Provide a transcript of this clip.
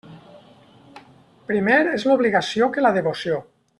Primer és l'obligació que la devoció.